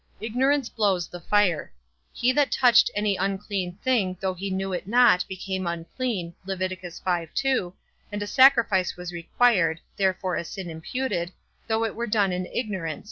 Ignorance blows the fire. He that touched any unclean thing, though he knew it not, became unclean, and a sacrifice was required (therefore a sin imputed), though it were done in ignorance.